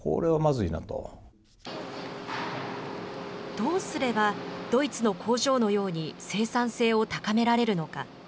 どうすればドイツの工場のように生産性を高められるのか。